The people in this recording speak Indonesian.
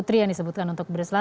terima kasih untuk semua